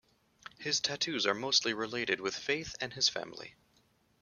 His tattoos are mostly related with faith and his family.